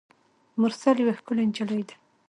مرسل یوه ښکلي نجلۍ ده.